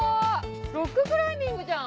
ロッククライミングじゃん。